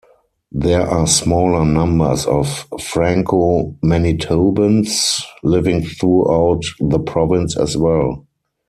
There are smaller numbers of Franco-Manitobans living throughout the province as well.